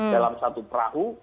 dalam satu perahu